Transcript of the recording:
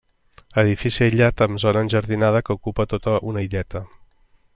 Edifici aïllat amb zona enjardinada que ocupa tota una illeta.